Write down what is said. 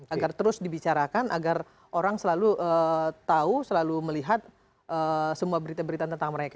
agar terus dibicarakan agar orang selalu tahu selalu melihat semua berita berita tentang mereka